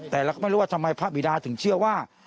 แต่เราก็ไม่รู้ว่าทำไมพระบิดาถึงเชื่อว่า